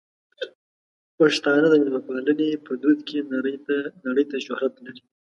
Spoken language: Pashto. پښتانه د مېلمه پالنې په دود کې نړۍ ته شهرت لري.